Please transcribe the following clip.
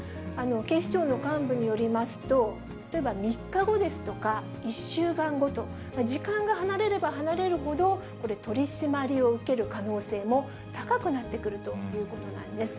警視庁の幹部によりますと、例えば、３日後ですとか、１週間後と、時間が離れれば離れるほど、取締りを受ける可能性も高くなってくるということなんです。